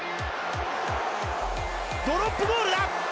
ドロップゴールだ！